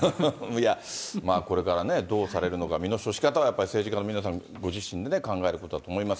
いや、まあ、これからね、どうされるのか、身の処し方はやっぱり政治家の皆さん、ご自身で考えることだと思います。